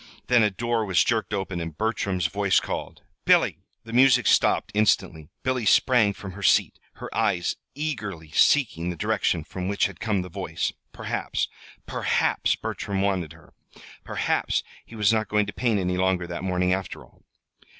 Then a door was jerked open, and Bertram's voice called: "Billy!" The music stopped instantly. Billy sprang from her seat, her eyes eagerly seeking the direction from which had come the voice. Perhaps perhaps Bertram wanted her. Perhaps he was not going to paint any longer that morning, after all.